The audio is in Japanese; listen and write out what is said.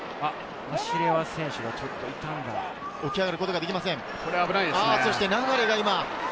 マシレワ、起き上がることができません。